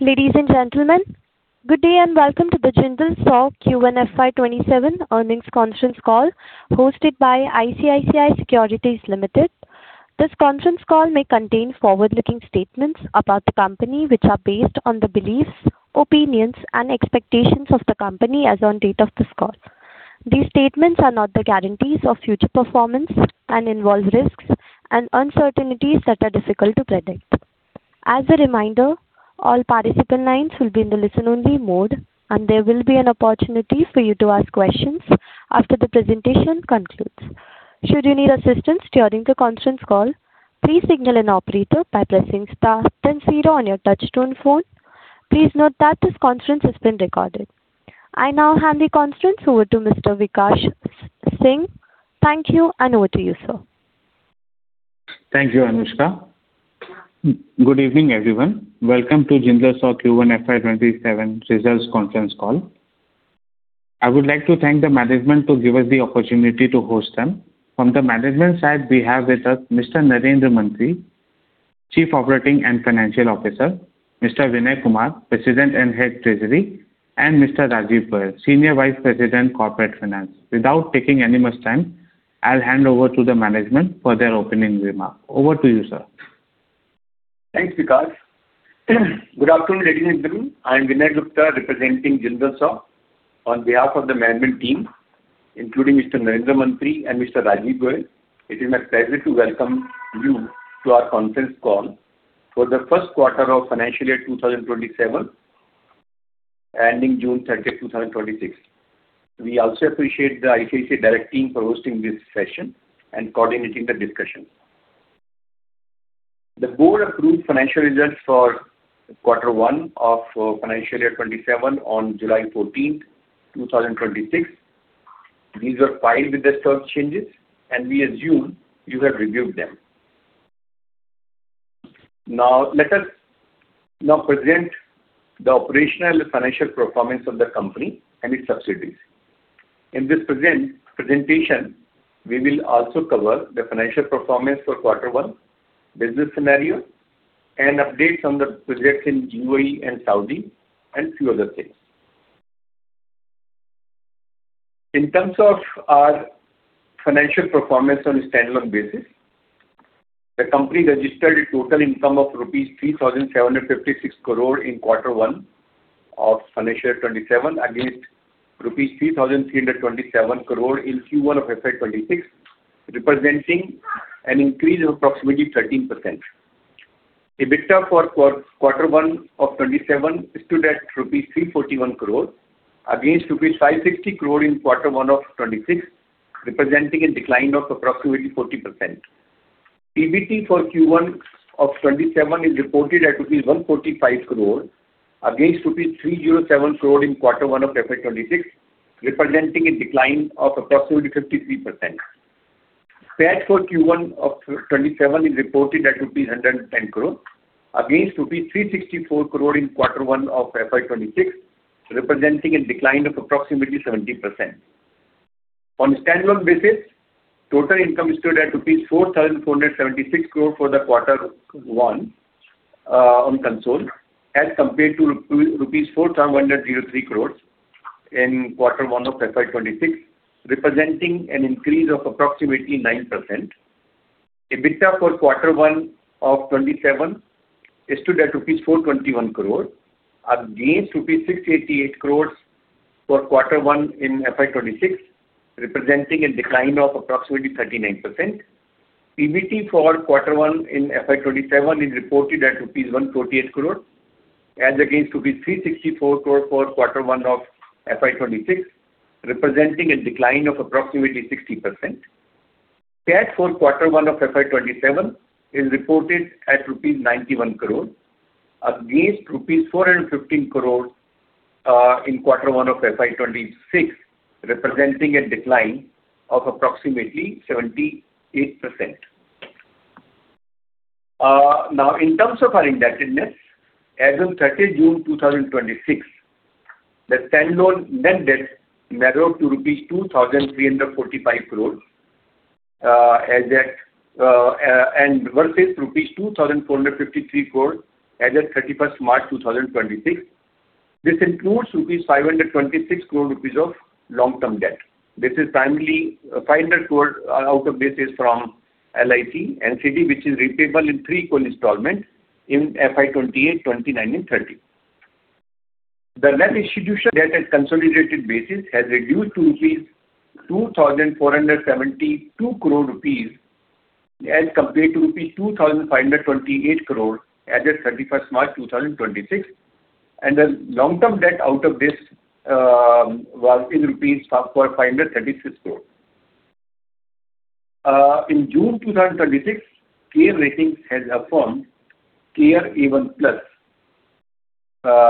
Ladies and gentlemen, good day and welcome to the Jindal Saw Q1 FY 2027 earnings conference call hosted by ICICI Securities Limited. This conference call may contain forward-looking statements about the company, which are based on the beliefs, opinions, and expectations of the company as on date of this call. These statements are not the guarantees of future performance and involve risks and uncertainties that are difficult to predict. As a reminder, all participant lines will be in the listen-only mode, and there will be an opportunity for you to ask questions after the presentation concludes. Should you need assistance during the conference call, please signal an operator by pressing star then zero on your touchtone phone. Please note that this conference is being recorded. I now hand the conference over to Mr. Vikash Singh. Thank you. Over to you, sir. Thank you, Anushka. Good evening, everyone. Welcome to Jindal Saw Q1 FY 2027 results conference call. I would like to thank the management to give us the opportunity to host them. From the management side, we have with us Mr. Narendra Mantri, Chief Operating and Financial Officer, Mr. Vinay Gupta, President and Head of Treasury, and Mr. Rajeev Goyal, Senior Vice President Corporate Finance. Without taking any more time, I will hand over to the management for their opening remark. Over to you, sir. Thanks, Vikash. Good afternoon, ladies and gentlemen. I am Vinay Gupta, representing Jindal Saw. On behalf of the management team, including Mr. Narendra Mantri and Mr. Rajeev Goyal, it is my pleasure to welcome you to our conference call for the first quarter of financial year 2027, ending June 30, 2026. We also appreciate the ICICI direct team for hosting this session and coordinating the discussion. The board approved financial results for quarter one of financial year 2027 on July 14th, 2026. These were filed with the stock exchanges, and we assume you have reviewed them. Let us now present the operational and financial performance of the company and its subsidiaries. In this presentation, we will also cover the financial performance for quarter one, business scenario, and updates on the projects in UAE and Saudi, and few other things. In terms of our financial performance on a standalone basis, the company registered a total income of rupees 3,756 crore in quarter one of financial year 2027, against rupees 3,327 crore in Q1 of FY 2026, representing an increase of approximately 13%. EBITDA for quarter one of FY 2027 stood at rupees 341 crore against rupees 560 crore in quarter one of FY 2026, representing a decline of approximately 40%. PBT for Q1 of FY 2027 is reported at rupees 145 crore against rupees 307 crore in quarter one of FY 2026, representing a decline of approximately 53%. PAT for Q1 of FY 2027 is reported at 110 crore against 364 crore in quarter one of FY 2026, representing a decline of approximately 70%. On a standalone basis, total income stood at rupees 4,476 crore for the quarter one on consolidated as compared to rupees 4,103 crore in quarter one of FY 2026, representing an increase of approximately 9%. EBITDA for quarter one of FY 2027 stood at 421 crore rupees against 688 crore for quarter one in FY 2026, representing a decline of approximately 39%. PBT for quarter one in FY 2027 is reported at rupees 128 crore as against rupees 364 crore for quarter one of FY 2026, representing a decline of approximately 60%. PAT for quarter one of FY 2027 is reported at rupees 91 crore against rupees 415 crore in quarter one of FY 2026, representing a decline of approximately 78%. Now, in terms of our indebtedness, as on 30th June 2026, the standalone net debt narrowed to rupees 2,345 crore versus rupees 2,453 crore as at 31st March 2026. This includes 526 crore rupees of long-term debt. This is primarily 500 crore out of this is from LIC and CD, which is repayable in three equal installments in FY 2028, FY 2029 and FY 2030. The net institution debt at consolidated basis has reduced to 2,472 crore rupees as compared to rupees 2,528 crore as at 31st March 2026. The long-term debt out of this was 536 crore rupees. In June 2026, CARE Ratings has affirmed CARE A1+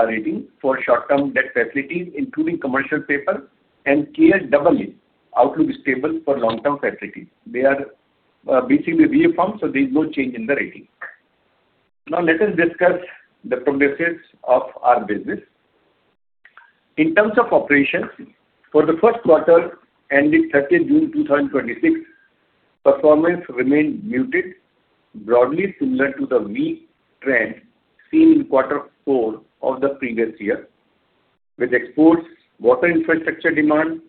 rating for short-term debt facilities, including commercial paper and CARE AA, outlook stable for long-term facilities. They are basically reaffirmed, so there is no change in the rating. Now let us discuss the progress of our business. In terms of operations, for the first quarter ending 30th June 2026, performance remained muted, broadly similar to the weak trend seen in quarter four of the previous year, with exports, water infrastructure demand,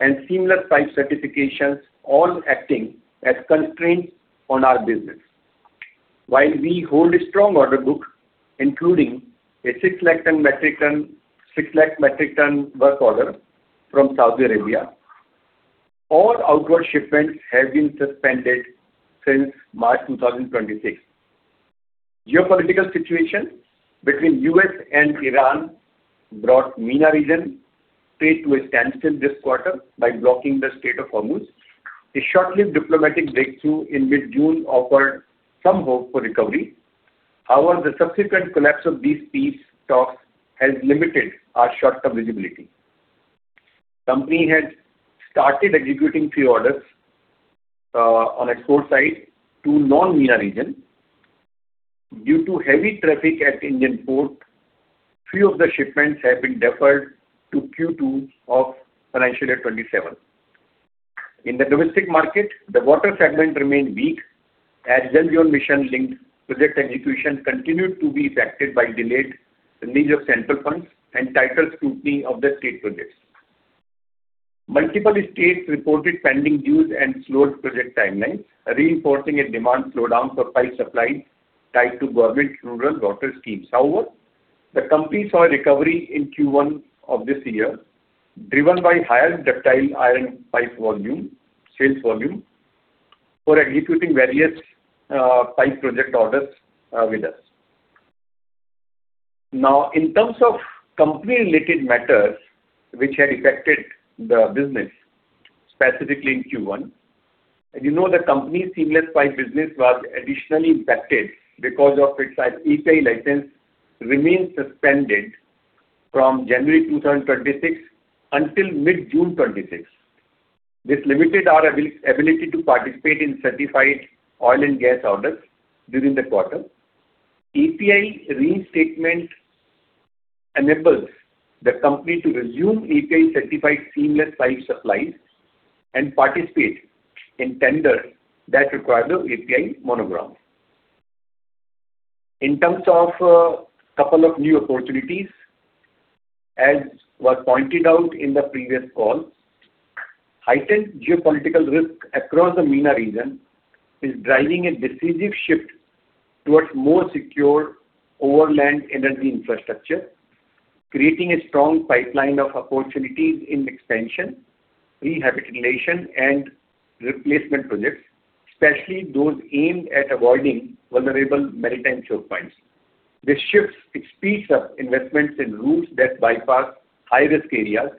and seamless pipe certifications all acting as constraints on our business. While we hold a strong order book, including a six-lakh metric ton work order from Saudi Arabia, all outward shipments have been suspended since March 2026. Geopolitical situation between U.S. and Iran brought MENA region trade to a standstill this quarter by blocking the Strait of Hormuz. A short-lived diplomatic breakthrough in mid-June offered some hope for recovery. However, the subsequent collapse of these peace talks has limited our short-term visibility. Company had started executing few orders on export side to non-MENA region. Due to heavy traffic at Indian port, few of the shipments have been deferred to Q2 of financial year 2027. In the domestic market, the water segment remained weak as Jal Jeevan Mission linked project execution continued to be affected by delayed release of central funds and title scrutiny of the state projects. Multiple states reported pending dues and slowed project timelines, reinforcing a demand slowdown for pipe supply tied to government rural water schemes. However, the company saw a recovery in Q1 of this year driven by higher Ductile Iron Pipe sales volume for executing various pipe project orders with us. Now, in terms of company related matters which had affected the business specifically in Q1, you know the company's seamless pipe business was additionally affected because of its API license remain suspended from January 2026 until mid-June 2026. This limited our ability to participate in certified oil and gas orders during the quarter. API reinstatement enables the company to resume API certified seamless pipe supplies and participate in tender that require the API Monogram. In terms of couple of new opportunities, as was pointed out in the previous call, heightened geopolitical risk across the MENA region is driving a decisive shift towards more secure overland energy infrastructure, creating a strong pipeline of opportunities in expansion, rehabilitation, and replacement projects, especially those aimed at avoiding vulnerable maritime choke points. This shift speeds up investments in routes that bypass high-risk areas,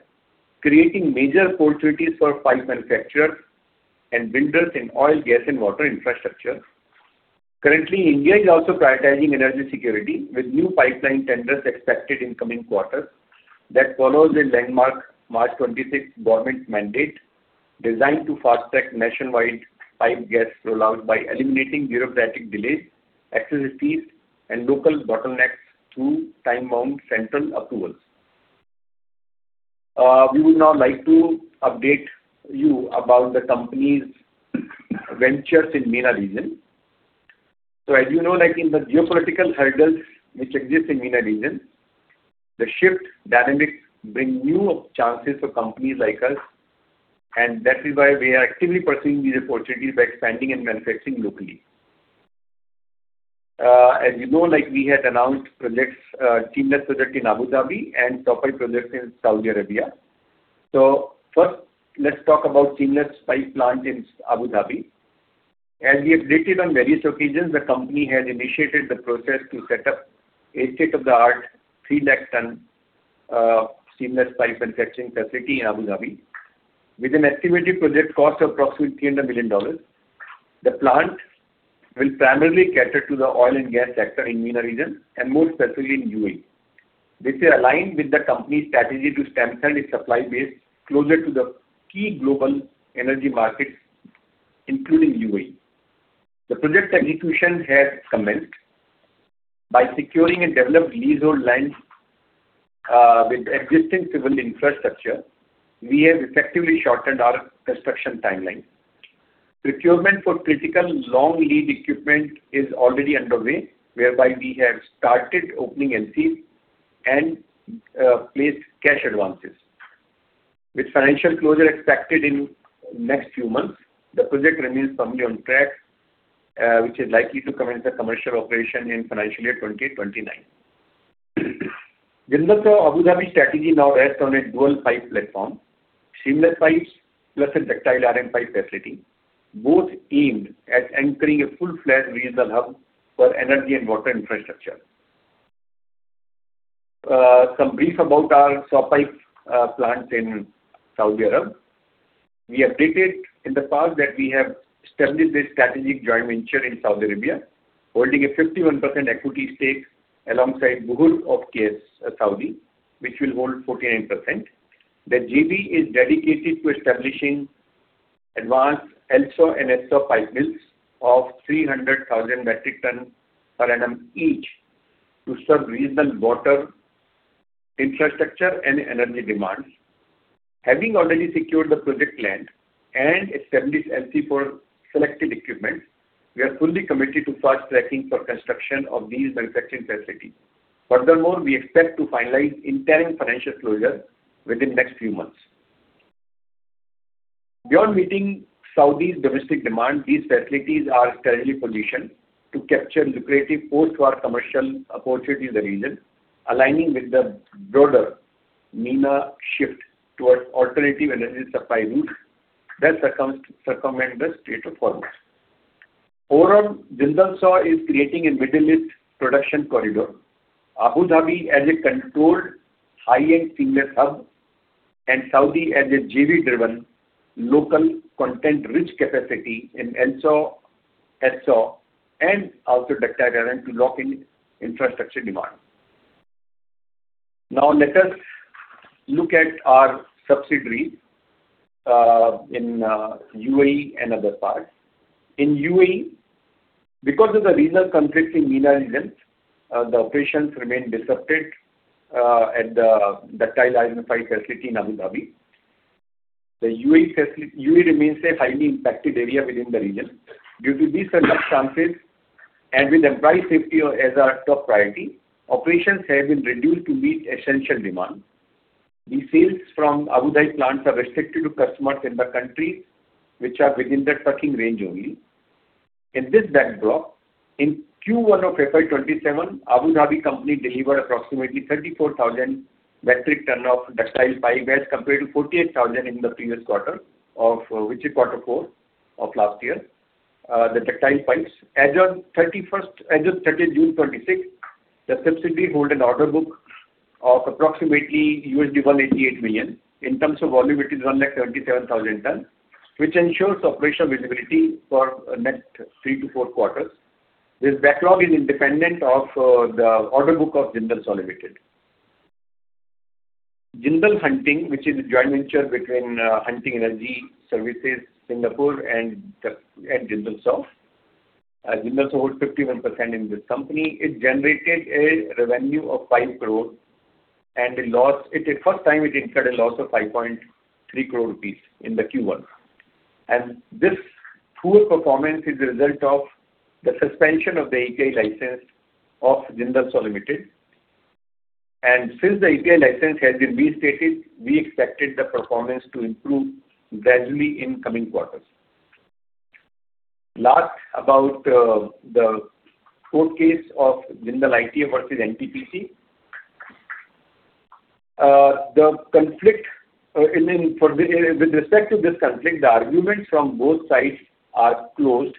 creating major opportunities for pipe manufacturers and builders in oil, gas, and water infrastructure. Currently, India is also prioritizing energy security, with new pipeline tenders expected in coming quarters. That follows a landmark March 26 government mandate designed to fast-track nationwide pipe gas rollout by eliminating bureaucratic delays, access fees, and local bottlenecks through time-bound central approvals. We would now like to update you about the company's ventures in MENA region. As you know, in the geopolitical hurdles which exist in MENA region, the shift dynamics bring new chances for companies like us, and that is why we are actively pursuing these opportunities by expanding and manufacturing locally. As you know, we had announced seamless project in Abu Dhabi and Saw Pipe project in Saudi Arabia. First, let's talk about seamless pipe plant in Abu Dhabi. As we updated on various occasions, the company had initiated the process to set up a state-of-the-art three lakh ton seamless pipe manufacturing facility in Abu Dhabi with an estimated project cost of approximately $300 million. The plant will primarily cater to the oil and gas sector in MENA region and more specifically in UAE. This is aligned with the company's strategy to strengthen its supply base closer to the key global energy markets, including UAE. The project execution has commenced by securing a developed leasehold land with existing civil infrastructure. We have effectively shortened our construction timeline. Procurement for critical long lead equipment is already underway, whereby we have started opening LCs and placed cash advances. With financial closure expected in next few months, the project remains firmly on track, which is likely to commence the commercial operation in financial year 2029. Jindal Saw Abu Dhabi strategy now rests on a dual pipe platform, seamless pipes plus a ductile iron pipe facility, both aimed at anchoring a full-fledged regional hub for energy and water infrastructure. Some brief about our Saw Pipe plants in Saudi Arabia. We updated in the past that we have established a strategic joint venture in Saudi Arabia, holding a 51% equity stake alongside Buhur for Investment Company, which will hold 49%. The JV is dedicated to establishing Advanced LSAW and HSAW pipe mills of 300,000 metric ton per annum each to serve regional water infrastructure and energy demands. Having already secured the project land and established LC for selective equipment, we are fully committed to fast-tracking for construction of these manufacturing facilities. Furthermore, we expect to finalize interim financial closure within next few months. Beyond meeting Saudi's domestic demand, these facilities are strategically positioned to capture lucrative post-war commercial opportunities in the region, aligning with the broader MENA shift towards alternative energy supply routes that circumvent the Strait of Hormuz. Overall, Jindal Saw is creating a Middle East production corridor. Abu Dhabi as a controlled high-end seamless hub and Saudi as a JV-driven local content-rich capacity in LSAW, HSAW and also Ductile Iron to lock in infrastructure demand. Now let us look at our subsidiary in UAE and other parts. In UAE, because of the regional conflicts in MENA region, the operations remain disrupted at the Ductile Iron Pipe facility in Abu Dhabi. The UAE remains a highly impacted area within the region. Due to these circumstances, and with employee safety as our top priority, operations have been reduced to meet essential demand. The sales from Abu Dhabi plants are restricted to customers in the country which are within the trucking range only. In this backdrop, in Q1 of FY 2027, Abu Dhabi company delivered approximately 34,000 metric tons of Ductile Pipe as compared to 48,000 in the previous quarter, which is quarter four of last year. As of June 30, 2026, the subsidiary hold an order book of approximately $188 million. In terms of volume, it is 137,000 tons, which ensures operational visibility for next three to four quarters. This backlog is independent of the order book of Jindal SAW Limited. Jindal Hunting, which is a joint venture between Hunting Energy Services Pte. Ltd. and Jindal SAW. Jindal SAW holds 51% in this company. It generated a revenue of 5 crore, and it is first time it incurred a loss of 5.3 crore rupees in the Q1. This poor performance is a result of the suspension of the API license of Jindal SAW Limited. Since the EGA license has been reinstated, we expected the performance to improve gradually in coming quarters. Last, about the court case of Jindal ITF Limited versus NTPC. With respect to this conflict, the arguments from both sides are closed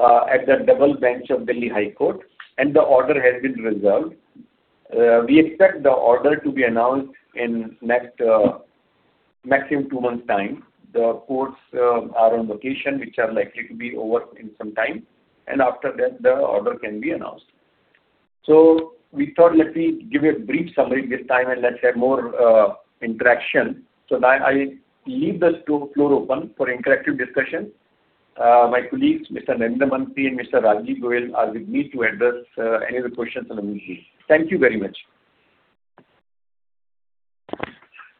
at the double bench of Delhi High Court, and the order has been reserved. We expect the order to be announced in maximum two months time. The courts are on vacation, which are likely to be over in some time, and after that, the order can be announced. We thought, let me give you a brief summary this time and let's have more interaction. Now I leave the floor open for interactive discussion. My colleagues, Mr. Narendra Mantri and Mr. Rajeev Goyal are with me to address any of the questions from the meeting. Thank you very much.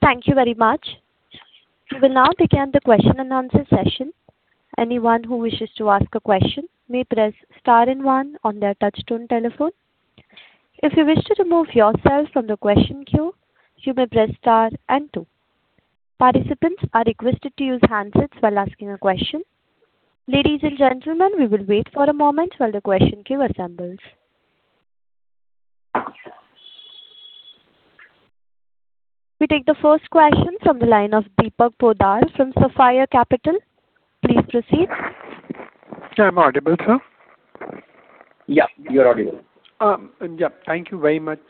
Thank you very much. We will now begin the question-and-answer session. Anyone who wishes to ask a question may press star and one on their touchtone telephone. If you wish to remove yourself from the question queue, you may press star and two. Participants are requested to use handsets while asking a question. Ladies and gentlemen, we will wait for a moment while the question queue assembles. We take the first question from the line of Deepak Poddar from Sapphire Capital. Please proceed. Am I audible, sir? You're audible. Thank you very much,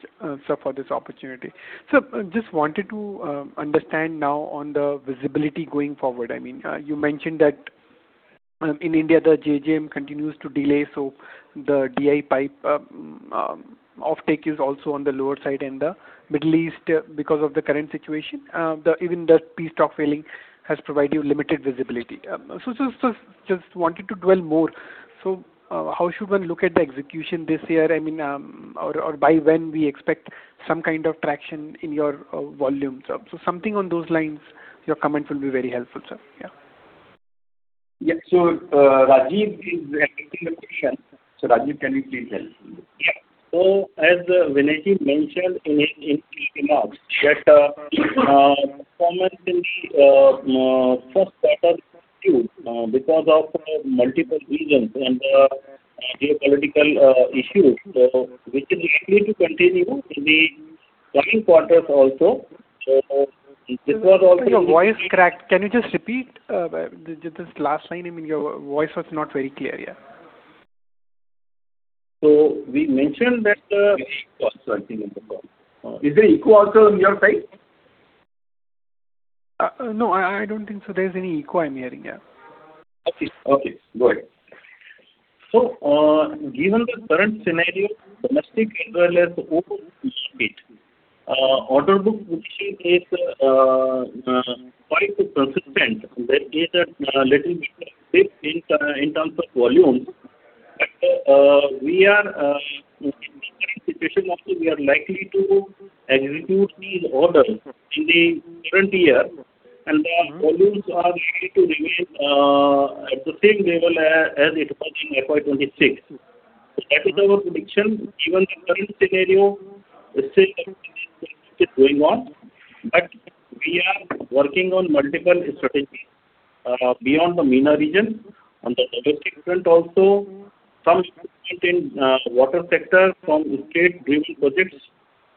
sir, for this opportunity. Sir, just wanted to understand now on the visibility going forward. You mentioned that in India, the JJM continues to delay. The DI pipe offtake is also on the lower side in the Middle East because of the current situation. Even the peace talk failing has provided you limited visibility. Just wanted to dwell more. How should one look at the execution this year? Or by when we expect some kind of traction in your volumes. Something on those lines, your comments will be very helpful, sir. Rajeev is taking the question. Rajeev, can you please help? Yeah. As Vinay mentioned in his opening remarks that performance will be first quarter Q because of multiple reasons and geopolitical issues, which is likely to continue in the coming quarters also. Your voice cracked. Can you just repeat this last line? Your voice was not very clear. Yeah. We mentioned that. There's an echo also, I think, on the call. Is there echo also on your side? No, I don't think so there's any echo I'm hearing. Yeah. Okay. Go ahead. Given the current scenario, domestic as well as overseas order book, which is quite consistent. There is a little bit of dip in terms of volume, but we are in a position, we are likely to execute these orders in the current year, and the volumes are likely to remain at the same level as it was in FY 2026. That is our prediction, given the current scenario is still going on, but we are working on multiple strategies beyond the MENA region. On the domestic front also, some strength in water sector from state drinking projects,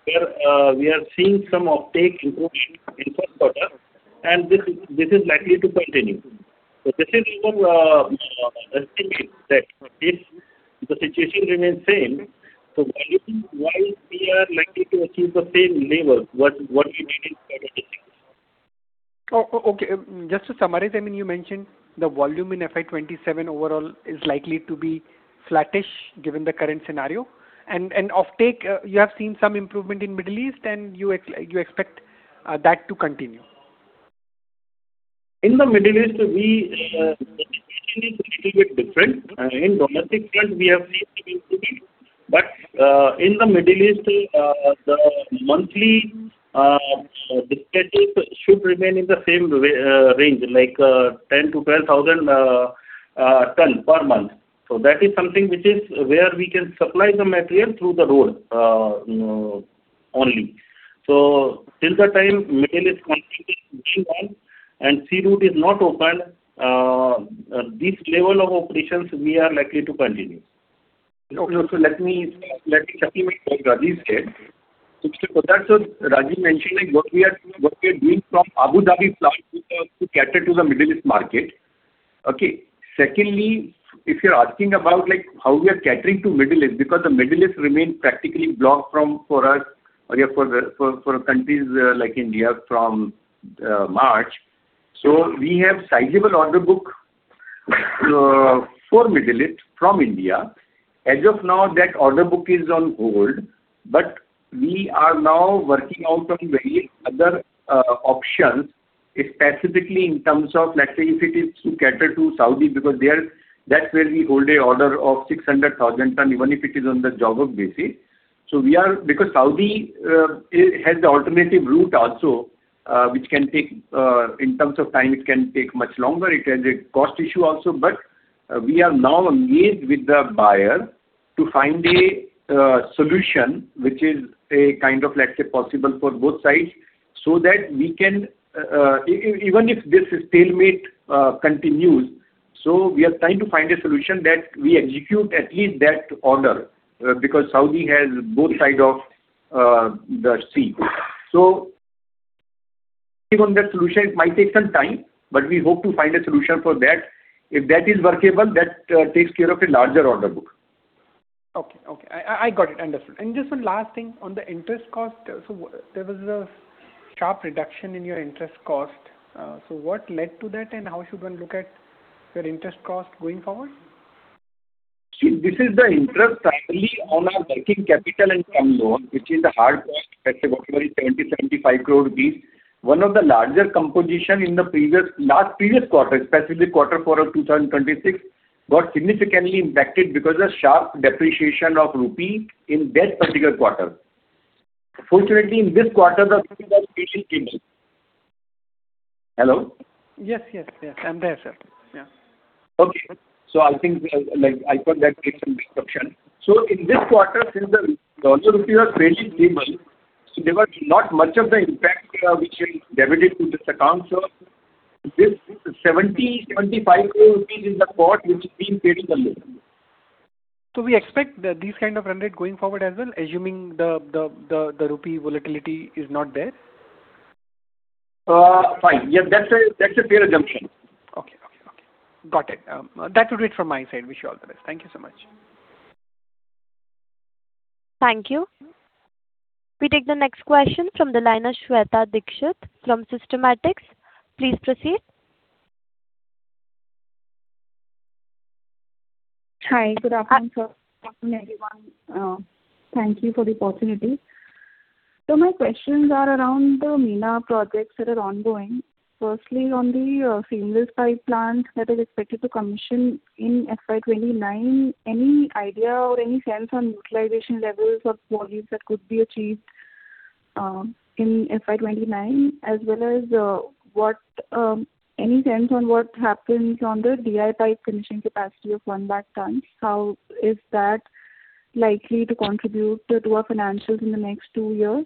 where we are seeing some uptake improvement in first quarter, and this is likely to continue. This is our estimate that if the situation remains same, while we are likely to achieve the same level what we did in FY 2026. Okay. Just to summarize, you mentioned the volume in FY 2027 overall is likely to be flattish given the current scenario, and you have seen some improvement in Middle East, and you expect that to continue. In the Middle East, the situation is a little bit different. In domestic front, we have seen some improvement. In the Middle East, the monthly dispatches should remain in the same range, like 10,000 to 12,000 ton per month. That is something where we can supply the material through the road only. Till the time rail is continuing and sea route is not open, this level of operations we are likely to continue. Okay. Let me second what Rajeev said. First, Rajeev mentioned what we are doing from Abu Dhabi plant to cater to the Middle East market. Okay. Secondly, if you're asking about how we are catering to Middle East, because the Middle East remains practically blocked for countries like India from March. We have sizable order book for Middle East from India. As of now, that order book is on hold, but we are now working out on various other options, specifically in terms of, let's say, if it is to cater to Saudi, because that's where we hold an order of 600,000 ton, even if it is on the job work basis. Saudi has the alternative route also, which can take much longer in terms of time, it has a cost issue also, but we are now engaged with the buyer to find a solution which is kind of possible for both sides. Even if this stalemate continues, we are trying to find a solution that we execute at least that order because Saudi has both sides of the sea. Working on that solution might take some time, but we hope to find a solution for that. If that is workable, that takes care of a larger order book. Okay. I got it. Understood. Just one last thing on the interest cost. There was a sharp reduction in your interest cost. What led to that, and how should one look at your interest cost going forward? See, this is the interest primarily on our working capital and term loan, which is a hard cost, let's say roughly 20 crore-25 crore. One of the larger compositions in the previous quarter, specifically quarter four of 2026, got significantly impacted because of sharp depreciation of rupee in that particular quarter. Fortunately, in this quarter, the rupee depreciation came in. Hello? Yes. I'm there, sir. Yeah. Okay. I thought that needs some description. In this quarter, since the dollar-rupee was really stable, there was not much of the impact which will debit it to this account. This INR 70 crore-INR 25 crore is the part which is being paid in the loan. We expect this kind of run rate going forward as well, assuming the rupee volatility is not there? Fine. Yes, that's a fair assumption. Okay. Got it. That would be it from my side. Wish you all the best. Thank you so much. Thank you. We take the next question from the line of Shweta Dikshit from Systematix. Please proceed. Hi, good afternoon, sir. Good afternoon, everyone. Thank you for the opportunity. My questions are around the MENA projects that are ongoing. Firstly, on the seamless pipe plant that is expected to commission in FY 2029, any idea or any sense on utilization levels or volumes that could be achieved in FY 2029? As well as any sense on what happens on the DI pipe commissioning capacity of 100,000 tons. How is that likely to contribute to our financials in the next two years?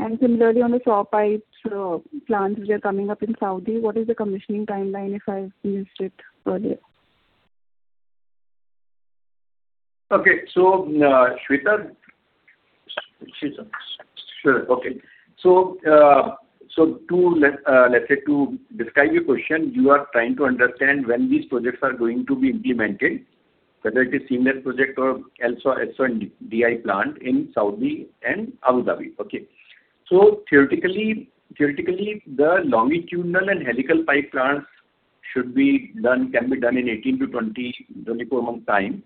And similarly, on the saw pipes plants which are coming up in Saudi, what is the commissioning timeline, if I missed it earlier? Shweta. To describe your question, you are trying to understand when these projects are going to be implemented, whether it is seamless project or also LSAW and DI plant in Saudi and Abu Dhabi. Theoretically, the longitudinal and helical pipe plants can be done in 18-24 months' time.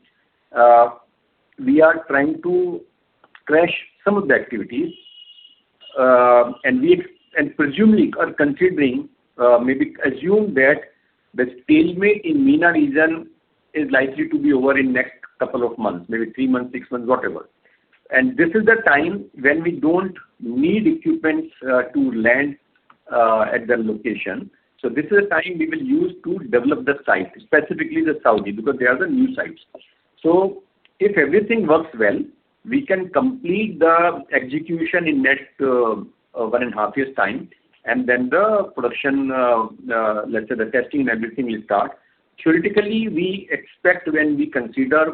We are trying to crash some of the activities, presumably are considering, maybe assume that the stalemate in MENA region is likely to be over in next two months, maybe three months, six months, whatever. This is the time when we don't need equipment to land at their location. This is the time we will use to develop the site, specifically the Saudi, because they are the new sites. If everything works well, we can complete the execution in next one and a half years' time, the production, let's say the testing and everything will start. Theoretically, we expect when we consider,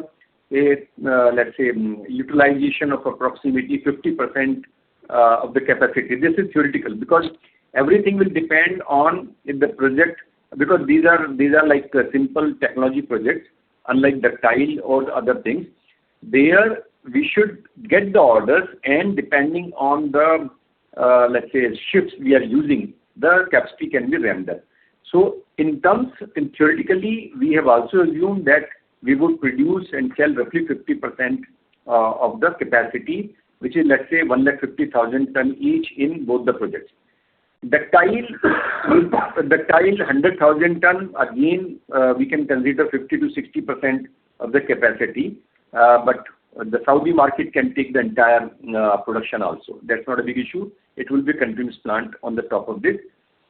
let's say, utilization of approximately 50% of the capacity. This is theoretical, because everything will depend on if the project. These are like simple technology projects, unlike ductile or other things. There, we should get the orders, depending on the, let's say, shifts we are using, the capacity can be rendered. Theoretically, we have also assumed that we would produce and sell roughly 50% of the capacity, which is, let's say, 150,000 tons each in both the projects. Ductile, 100,000 tons, again, we can consider 50%-60% of the capacity, the Saudi market can take the entire production also. That's not a big issue. It will be continuous plant on the top of this.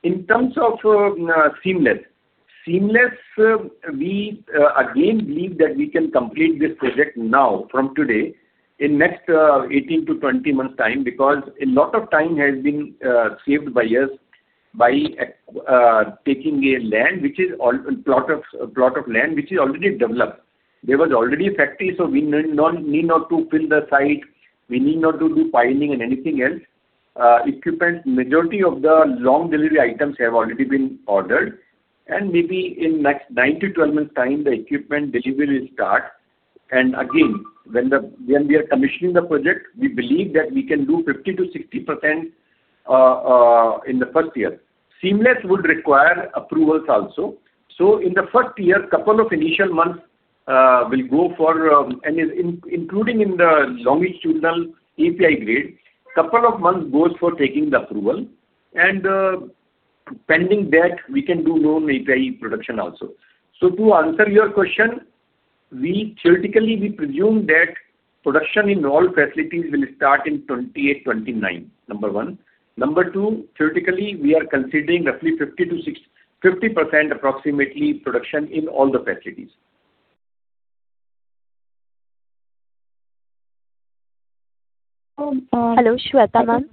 In terms of seamless, we again believe that we can complete this project now from today in next 18-20 months' time, because a lot of time has been saved by us by taking a plot of land which is already developed. There was already a factory, we need not to fill the site, we need not to do piling and anything else. Equipment, majority of the long delivery items have already been ordered, maybe in next 9-12 months' time, the equipment delivery will start. Again, when we are commissioning the project, we believe that we can do 50%-60% in the first year. Seamless would require approvals also. In the first year, two initial months will go for, including in the longitudinal API grade, two months goes for taking the approval. Pending that, we can do non-API production also. To answer your question, theoretically, we presume that production in all facilities will start in 2028-2029. Number one. Number two, theoretically, we are considering roughly 50% approximately production in all the facilities. Hello, Shweta ma'am.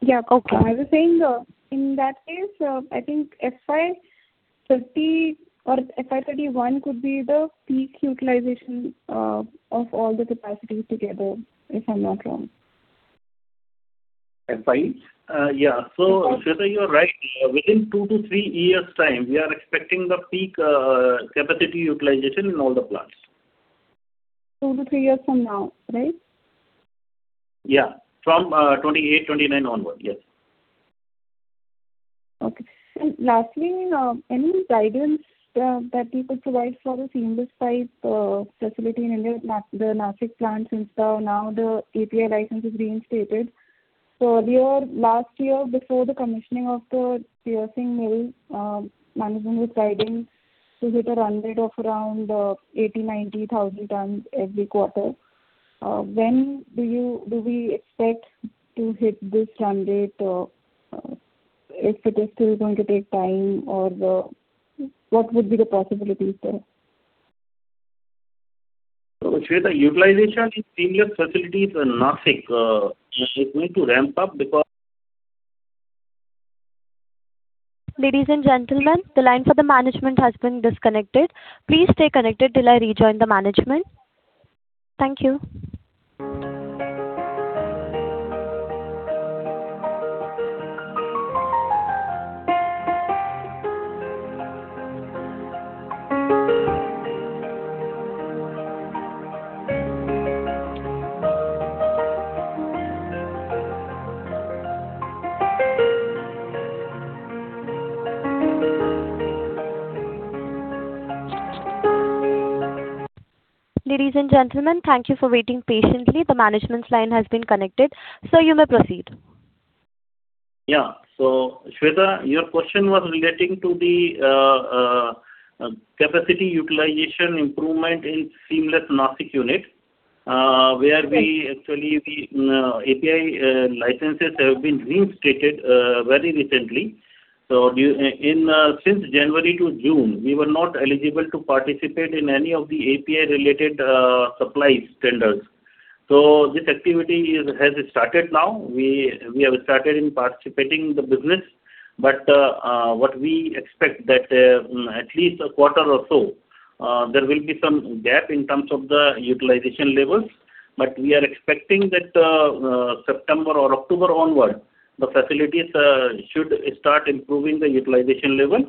Yeah. Okay. I was saying, in that case, I think FY 2030 or FY 2031 could be the peak utilization of all the capacities together, if I'm not wrong. FY? Yeah. Shweta, you are right. Within two to three years' time, we are expecting the peak capacity utilization in all the plants. Two to three years from now, right? Yeah. From 2028, 2029 onward. Yes. Okay. Lastly, any guidance that you could provide for the seamless pipe facility in India at the Nashik plant since now the API license is reinstated. Last year, before the commissioning of the piercing mill, management was guiding to hit a run rate of around 80,000, 90,000 tons every quarter. When do we expect to hit this run rate? If it is still going to take time, or what would be the possibilities there? Shweta, utilization in seamless facilities in Nashik is going to ramp up because. Ladies and gentlemen, the line for the management has been disconnected. Please stay connected till I rejoin the management. Thank you. Ladies and gentlemen, thank you for waiting patiently. The management's line has been connected. Sir, you may proceed. Shweta, your question was relating to the capacity utilization improvement in seamless Nashik unit. Where we actually, API licenses have been reinstated very recently. Since January to June, we were not eligible to participate in any of the API related supplies tenders. This activity has started now. We have started in participating the business, what we expect that at least a quarter or so, there will be some gap in terms of the utilization levels. We are expecting that September or October onward, the facilities should start improving the utilization level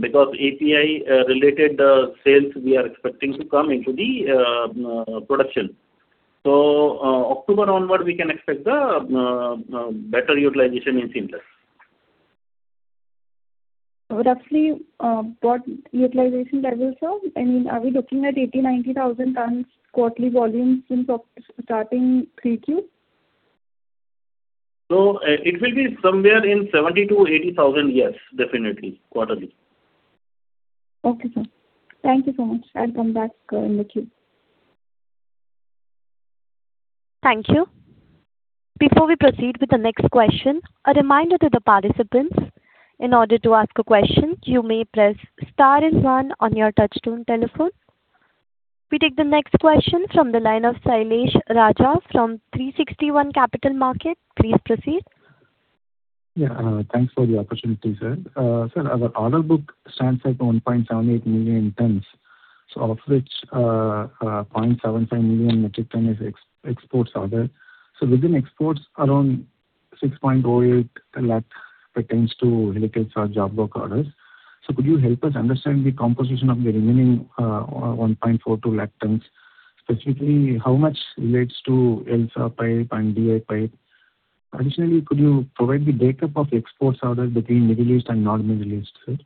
Because API related sales, we are expecting to come into the production. October onward, we can expect the better utilization in seamless. Roughly, what utilization levels are? I mean, are we looking at 80,000, 90,000 tons quarterly volumes starting 3Q? It will be somewhere in 70,000 to 80,000. Yes, definitely. Quarterly. Okay, sir. Thank you so much. I'll come back in the queue. Thank you. Before we proceed with the next question, a reminder to the participants, in order to ask a question, you may press star and one on your touchtone telephone. We take the next question from the line of Sailesh Raja from 360 ONE Capital Market. Please proceed. Yeah, thanks for the opportunity, sir. Sir, our order book stands at 1.78 million tons. Of which, 0.75 million metric ton is exports order. Within exports, around 6.08 lakh pertains to helical or job work orders. Could you help us understand the composition of the remaining 1.42 lakh tons? Specifically, how much relates to LSAW pipe and DI pipe? Additionally, could you provide the breakup of the export's orders between Middle East and non-Middle East, sir?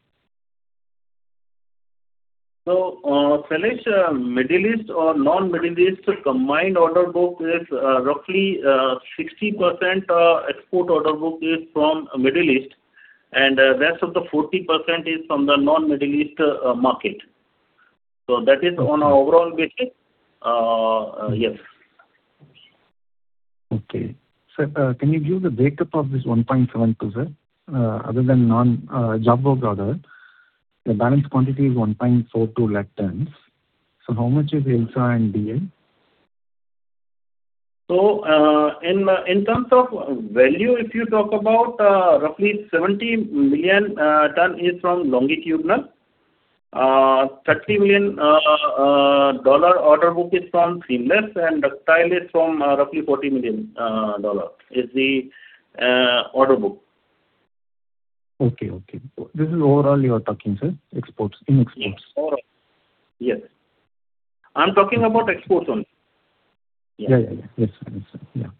Sailesh, Middle East or non-Middle East combined order book is roughly 60% export order book is from Middle East, and the rest of the 40% is from the non-Middle East market. That is on an overall basis. Yes. Okay. Sir, can you give the breakup of this 1.72? Other than job work order, the balance quantity is 1.42 lakh tons. How much is LSAW and DI? In terms of value, if you talk about roughly $70 million is from longitudinal. $30 million order book is from seamless, and ductile is from roughly $440 million, is the order book. Okay. This is overall you are talking, sir? In exports? Yes. Overall. Yes. I am talking about exports only. Yes, sir.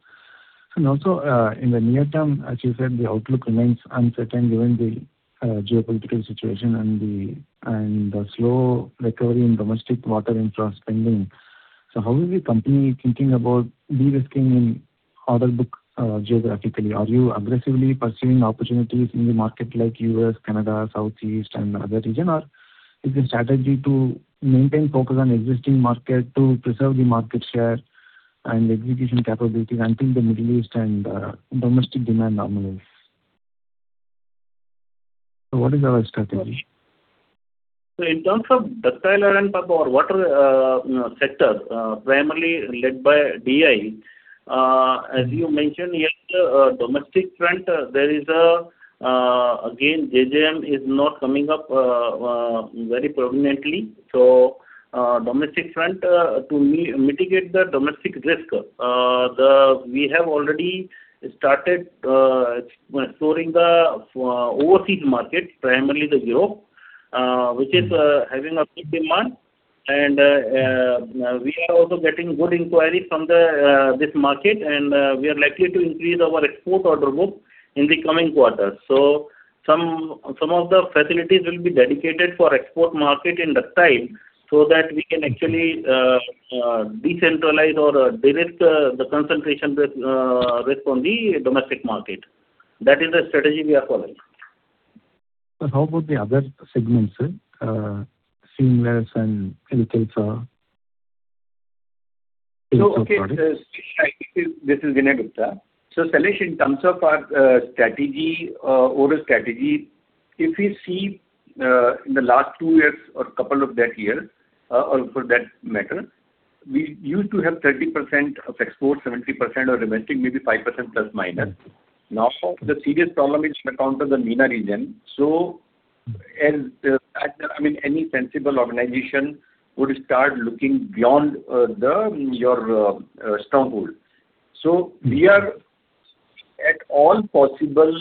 Also, in the near term, as you said, the outlook remains uncertain given the geopolitical situation and the slow recovery in domestic water infra spending. How is the company thinking about de-risking in order book geographically? Are you aggressively pursuing opportunities in the market like U.S., Canada, Southeast, and other region? Or is the strategy to maintain focus on existing market to preserve the market share and execution capabilities until the Middle East and domestic demand normalizes? What is our strategy? In terms of Ductile Iron Pipe or water sector, primarily led by DI, as you mentioned, yes, domestic front, again, JJM is not coming up very prominently. Domestic front, to mitigate the domestic risk, we have already started exploring the overseas market, primarily the Europe, which is having a peak demand. We are also getting good inquiries from this market, and we are likely to increase our export order book in the coming quarters. Some of the facilities will be dedicated for export market in ductile, so that we can actually decentralize or de-risk the concentration risk on the domestic market. That is the strategy we are following. Sir, how about the other segments, sir? Seamless and helical. Okay, Sailesh. This is Vinay Gupta. Sailesh, in terms of our strategy, overall strategy, if you see in the last two years or couple of that year, or for that matter, we used to have 30% of export, 70% are domestic, maybe 5% plus, minus. Now, the serious problem is on account of the MENA region. Any sensible organization would start looking beyond your stronghold. We are at all possible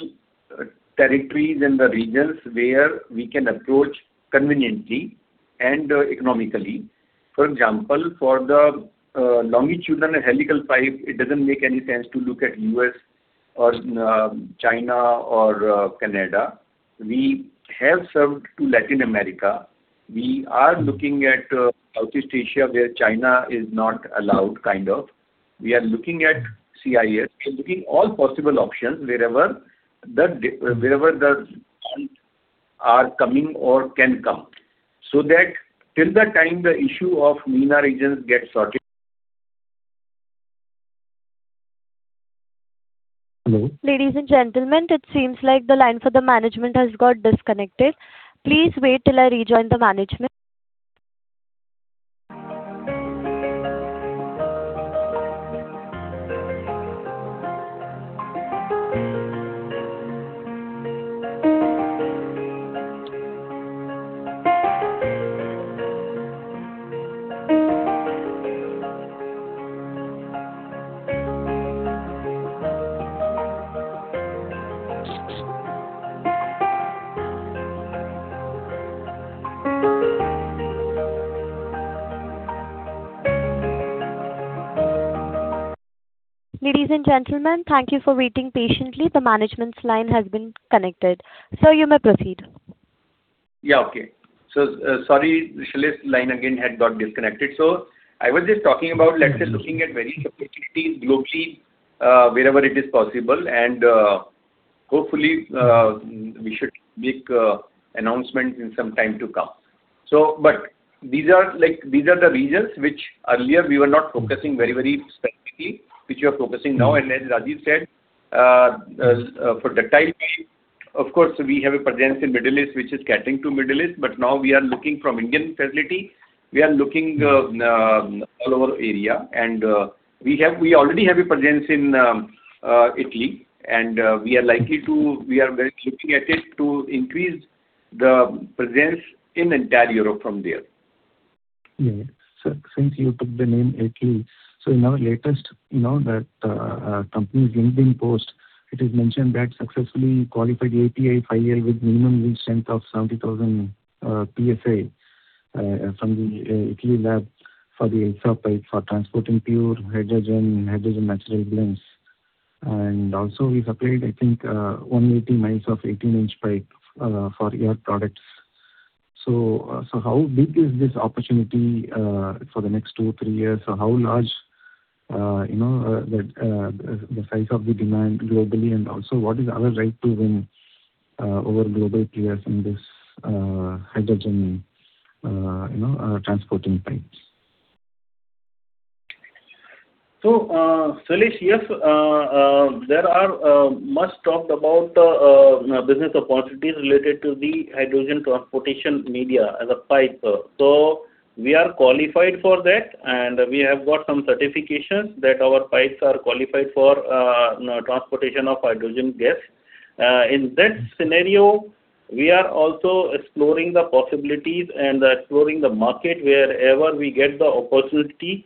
territories and the regions where we can approach conveniently and economically. For example, for the longitudinal and helical pipe, it doesn't make any sense to look at U.S. or China or Canada. We have served to Latin America. We are looking at Southeast Asia, where China is not allowed, kind of. We are looking at CIS. We are looking all possible options wherever the demands are coming or can come. That till the time the issue of MENA region gets sorted. Hello? Ladies and gentlemen, it seems like the line for the management has got disconnected. Please wait till I rejoin the management. Ladies and gentlemen, thank you for waiting patiently. The management's line has been connected. Sir, you may proceed. Yeah, okay. Sorry, Sailesh's line again had got disconnected. I was just talking about looking at various possibilities globally, wherever it is possible, and hopefully we should make announcement in some time to come. These are the regions which earlier we were not focusing very specifically, which we are focusing now. As Rajeev said, for ductile, of course, we have a presence in Middle East, which is catering to Middle East, but now we are looking from Indian facility. We are looking all over area. We already have a presence in Italy, and we are very closely at it to increase the presence in entire Europe from there. Yeah. Sir, since you took the name Italy, in our latest company's LinkedIn post, it is mentioned that successfully qualified API 5L with minimum yield strength of 70,000 PSI from the Italy lab for the H2 pipe for transporting pure hydrogen-natural gas blends. Also, we supplied, I think, 180 miles of 18-inch pipe for your products. How big is this opportunity for the next two, three years? How large the size of the demand globally, and also what is our right to win over global peers in this hydrogen transporting pipes? Sailesh, yes, there are much talked about business opportunities related to the hydrogen transportation media as a pipe. We are qualified for that, and we have got some certifications that our pipes are qualified for transportation of hydrogen gas. In that scenario, we are also exploring the possibilities and exploring the market. Wherever we get the opportunity,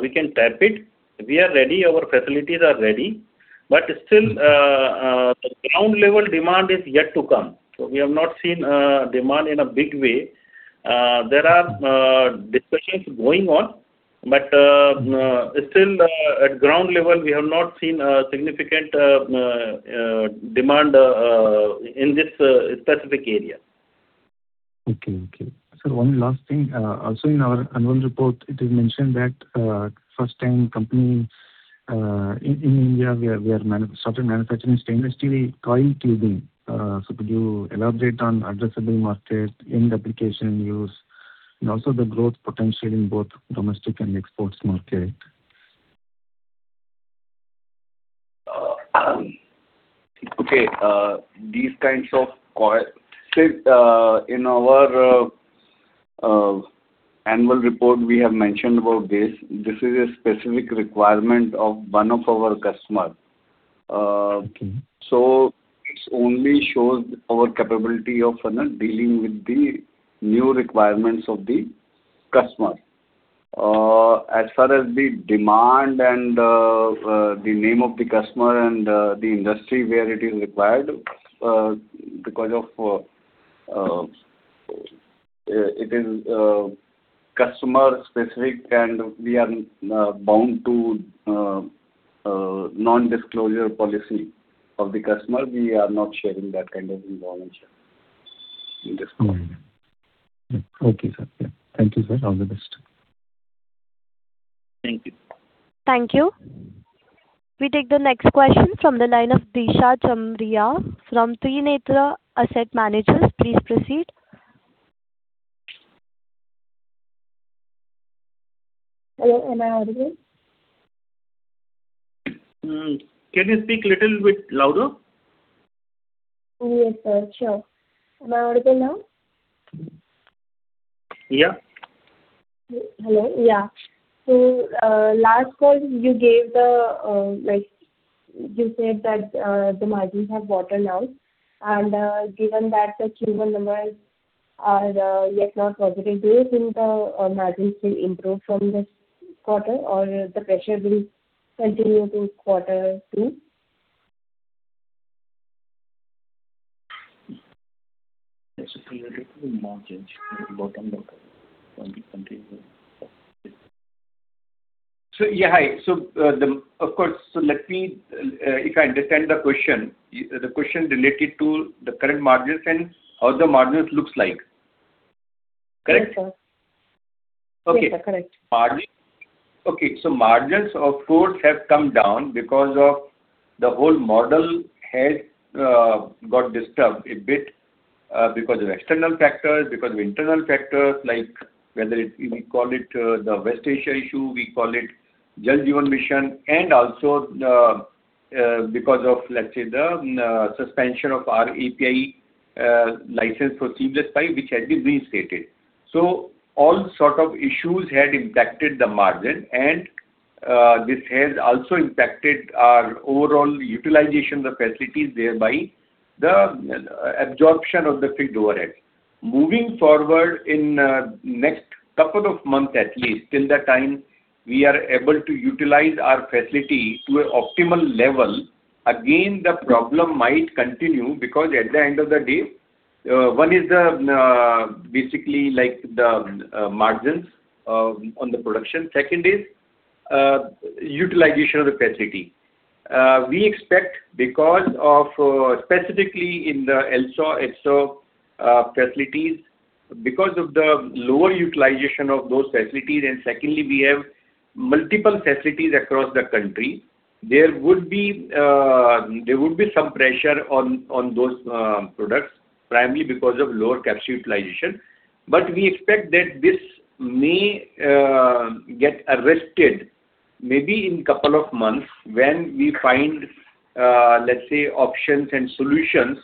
we can tap it. We are ready. Our facilities are ready. Still, the ground level demand is yet to come. We have not seen demand in a big way. There are discussions going on, still, at ground level, we have not seen a significant demand in this specific area. Sir, one last thing. Also in our annual report, it is mentioned that first time company in India, we have started manufacturing stainless steel coil tubing. Could you elaborate on addressable market, end application use, and also the growth potential in both domestic and exports market? In our annual report, we have mentioned about this. This is a specific requirement of one of our customer. Okay. It only shows our capability of dealing with the new requirements of the customer. As far as the demand and the name of the customer and the industry where it is required, because it is customer specific and we are bound to non-disclosure policy of the customer, we are not sharing that kind of information in this. Okay, sir. Yeah. Thank you, sir. All the best. Thank you. Thank you. We take the next question from the line of Disha Chamria from Trinetra Asset Managers. Please proceed. Hello, am I audible? Can you speak little bit louder? Yes, sir. Sure. Am I audible now? Yeah. Hello? Yeah. Last call you said that the margins have bottomed now, and given that the Q1 numbers are yet not positive, do you think the margins will improve from this quarter, or the pressure will continue to quarter two? Sir, related to the margins bottom number from the country. Hi. If I understand the question, the question related to the current margins and how the margins look like. Correct? Yes, sir. Okay. Yes, sir. Correct. Okay. Margins of course, have come down because of the whole model has got disturbed a bit because of external factors, because of internal factors like whether we call it the West Asia issue, we call it Jal Jeevan Mission, and also because of, let's say, the suspension of our API license for seamless pipe, which has been reinstated. All sort of issues had impacted the margin, and this has also impacted our overall utilization of facilities, thereby the absorption of the fixed overhead. Moving forward in next couple of months, at least till the time we are able to utilize our facility to an optimal level, again, the problem might continue because at the end of the day, one is basically the margins on the production. Second is utilization of the facility. We expect, specifically in the LSAW, HSAW facilities, because of the lower utilization of those facilities, and secondly, we have multiple facilities across the country, there would be some pressure on those products, primarily because of lower capacity utilization. We expect that this may get arrested maybe in couple of months when we find, let's say, options and solutions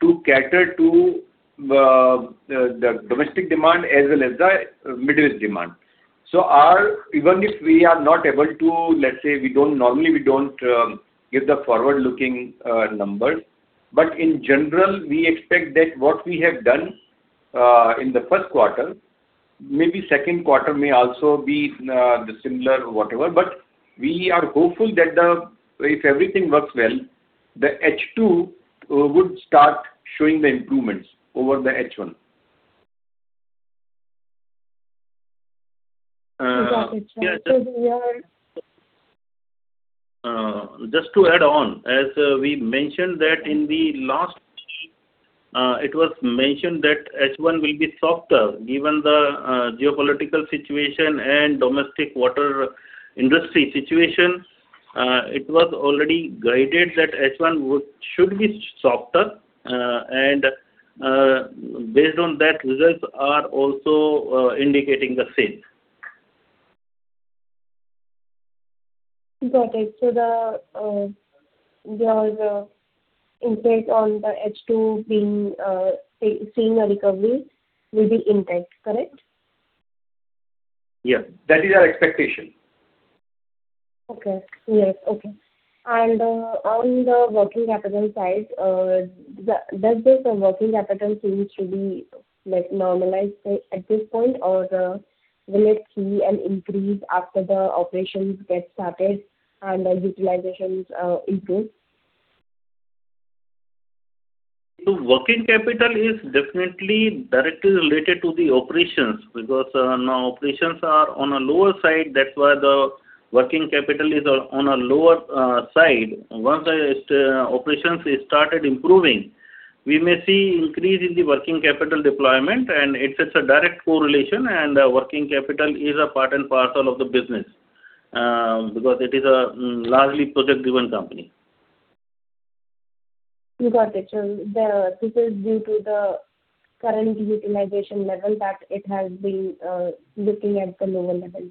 to cater to the domestic demand as well as the Middle East demand. Even if we are not able to, let's say, normally we don't give the forward-looking numbers. In general, we expect that what we have done in the first quarter, maybe second quarter may also be similar, but we are hopeful that if everything works well, the H2 would start showing the improvements over the H1. Got it. Just to add on, as we mentioned that in the last, it was mentioned that H1 will be softer given the geopolitical situation and domestic water industry situation. It was already guided that H1 should be softer, based on that, results are also indicating the same. Got it. There was an impact on the H2 seeing a recovery will be intact, correct? Yes. That is our expectation. Okay. Yes. On the working capital side, does this working capital thing should be normalized at this point, or will it see an increase after the operations get started and the utilizations improve? The working capital is definitely directly related to the operations because now operations are on a lower side, that's why the working capital is on a lower side. Once the operations started improving, we may see increase in the working capital deployment. It's a direct correlation. Working capital is a part and parcel of the business, because it is a largely project-driven company. You got it. This is due to the current utilization level that it has been looking at the lower level,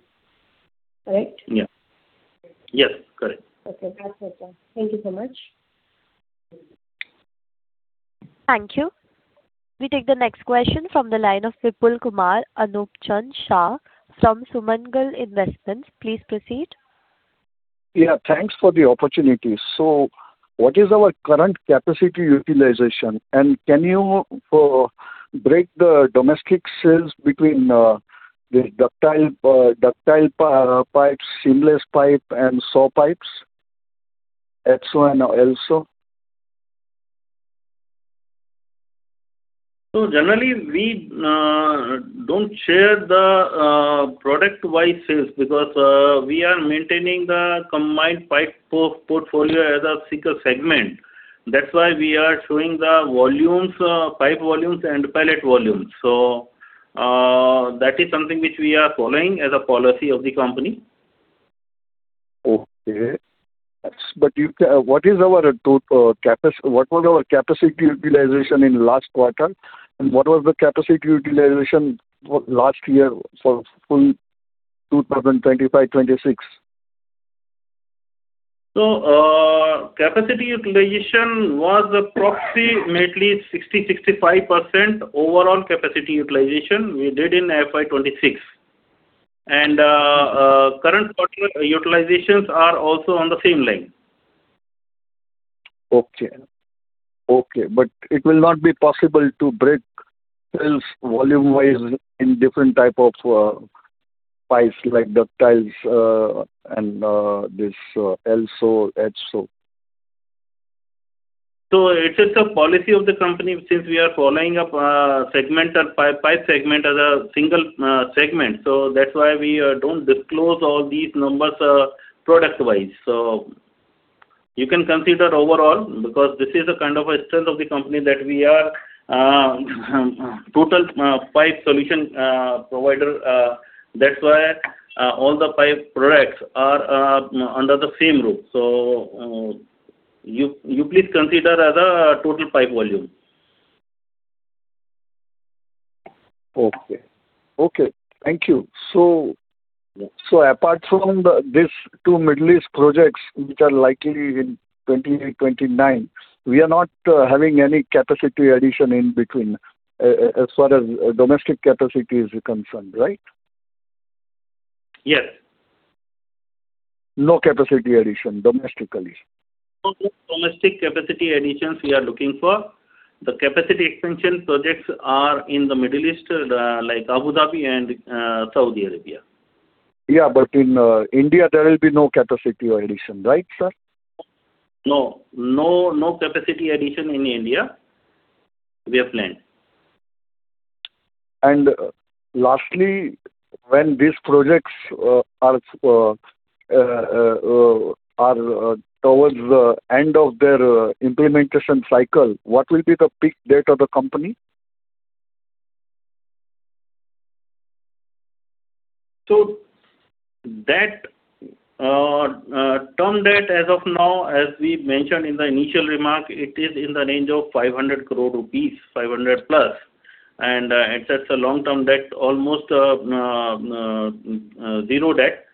correct? Yes. Correct. Okay. That's it, sir. Thank you so much. Thank you. We take the next question from the line of Vipul Kumar Anupchand Shah from Sumangal Investments. Please proceed. Yeah, thanks for the opportunity. What is our current capacity utilization? Can you break the domestic sales between the ductile pipes, seamless pipe, and saw pipes, HSAW and LSAW? Generally, we don't share the product-wise sales because we are maintaining the combined pipe portfolio as a single segment. That's why we are showing the pipe volumes and pellet volumes. That is something which we are following as a policy of the company. What was our capacity utilization in last quarter? What was the capacity utilization last year for full 2025-2026? Capacity utilization was approximately 60%-65% overall capacity utilization we did in FY 2026. Current quarter utilizations are also on the same line. It will not be possible to break sales volume-wise in different type of pipes like Ductiles and this LSAW, Edso. It is a policy of the company since we are following a pipe segment as a single segment. That's why we don't disclose all these numbers product-wise. You can consider overall, because this is a kind of a strength of the company, that we are a total pipe solution provider. That's why all the pipe products are under the same roof. You please consider as a total pipe volume. Okay. Thank you. Apart from these two Middle East projects, which are likely in 2028/2029, we are not having any capacity addition in between as far as domestic capacity is concerned, right? Yes. No capacity addition domestically. No domestic capacity additions we are looking for. The capacity expansion projects are in the Middle East, like Abu Dhabi and Saudi Arabia. Yeah, in India there will be no capacity addition, right, sir? No capacity addition in India we have planned. Lastly, when these projects are towards the end of their implementation cycle, what will be the peak debt of the company? That term debt as of now, as we mentioned in the initial remark, it is in the range of 500 crore rupees, 500 plus. It's a long-term debt, almost zero debt.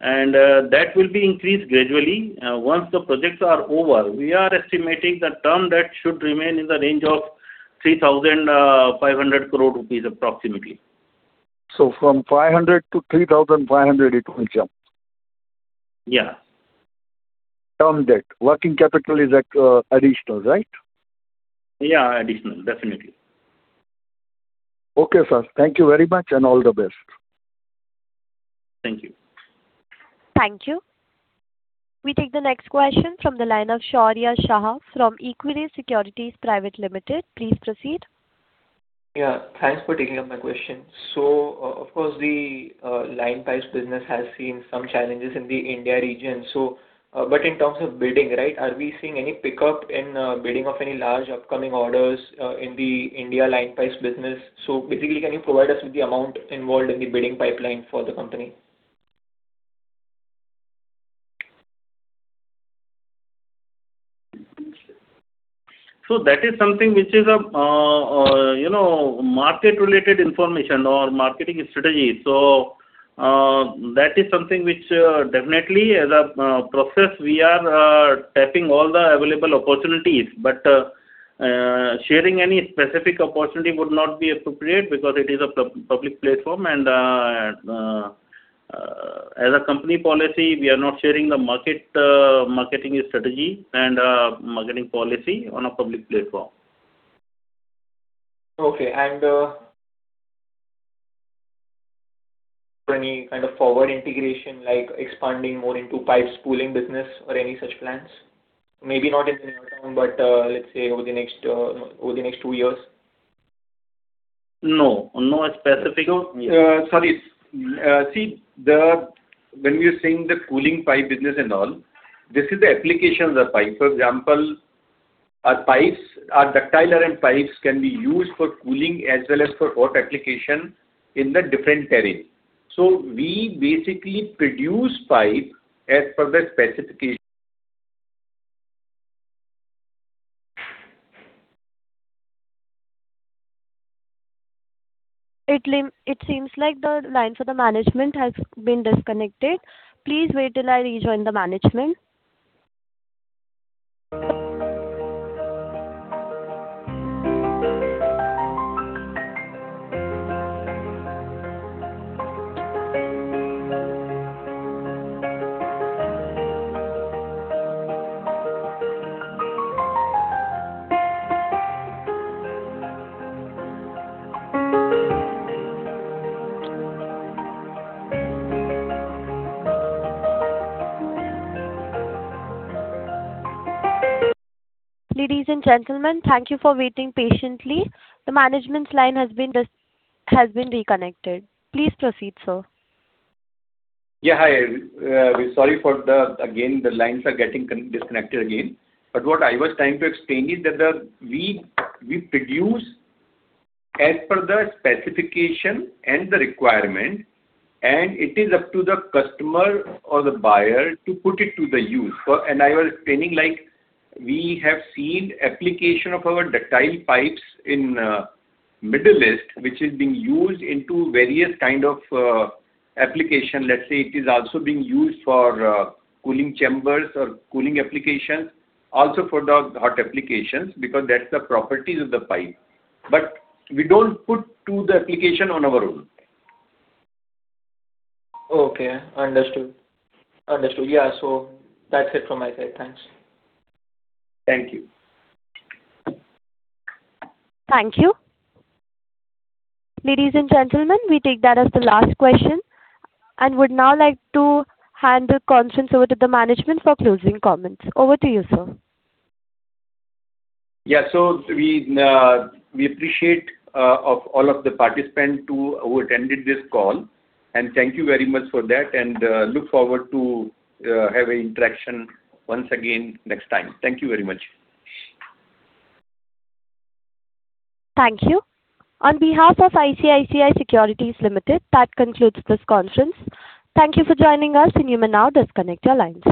That will be increased gradually once the projects are over. We are estimating the term debt should remain in the range of 3,500 crore rupees approximately. From 500 to 3,500 it will jump. Yeah. Term debt. Working capital is additional, right? Yeah, additional, definitely. Okay, sir. Thank you very much and all the best. Thank you. Thank you. We take the next question from the line of Shaurya Shah from Equirus Securities Private Limited. Please proceed. Thanks for taking up my question. Of course the line pipes business has seen some challenges in the India region. In terms of bidding, are we seeing any pickup in bidding of any large upcoming orders in the India line pipes business? Basically, can you provide us with the amount involved in the bidding pipeline for the company? That is something which is market related information or marketing strategy. That is something which definitely as a process we are tapping all the available opportunities. Sharing any specific opportunity would not be appropriate because it is a public platform and as a company policy, we are not sharing the marketing strategy and marketing policy on a public platform. Okay. For any kind of forward integration like expanding more into pipes cooling business or any such plans? Maybe not in the near term, but let's say over the next two years. No. Sorry. When we are saying the cooling pipe business and all, this is the application of the pipe. For example, our Ductile Iron Pipes can be used for cooling as well as for hot application in the different terrain. We basically produce pipe as per the specification. It seems like the line for the management has been disconnected. Please wait till I rejoin the management. Ladies and gentlemen, thank you for waiting patiently. The management's line has been reconnected. Please proceed, sir. Hi, sorry for the again the lines are getting disconnected again. What I was trying to explain is that we produce as per the specification and the requirement, and it is up to the customer or the buyer to put it to the use. I was explaining we have seen application of our Ductile pipes in Middle East, which is being used into various kind of application. Let's say it is also being used for cooling chambers or cooling applications, also for the hot applications because that's the properties of the pipe. We don't put to the application on our own. Okay, understood. That's it from my side. Thanks. Thank you. Thank you. Ladies and gentlemen, we take that as the last question, and would now like to hand the conference over to the management for closing comments. Over to you, sir. We appreciate all of the participants who attended this call. Thank you very much for that, and look forward to have interaction once again next time. Thank you very much. Thank you. On behalf of ICICI Securities Limited, that concludes this conference. Thank you for joining us and you may now disconnect your lines.